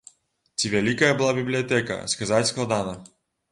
Ці вялікая была бібліятэка, сказаць складана.